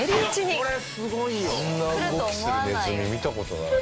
あんな動きするネズミ見た事ない。